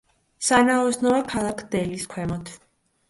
სანაოსნოა ქალაქ დელის ქვემოთ.